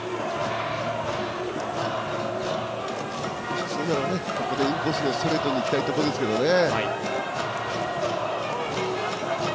普通ならここでインコースのストレートにいきたいところですけどね。